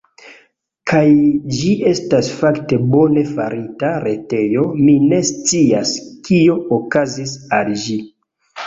Kaj... ĝi estas fakte bone farita retejo, mi ne scias, kio okazis al ĝi.